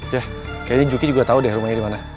yah kayaknya juki juga tau deh rumahnya dimana